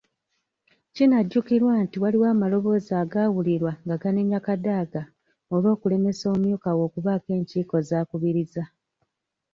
Kinajjukirwa nti waliwo amaloboozi agaawulirwa nga ganenya Kadaga olw'okulemesa omumyuka we okubaako enkiiko z'akubiriza.